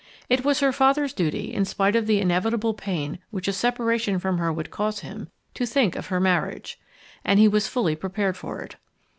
It was her father's duty, in spite of the inevitable pain which a separation from her would cause him, to think of her marriage; and he was fully prepared for it.